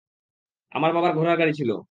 আমার বাবার ঘোড়ার গাড়ি ছিল।